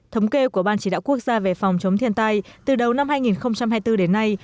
thống kê của ban chỉ đạo quốc gia về phòng chống thiên tai từ đầu năm hai nghìn hai mươi bốn đến nay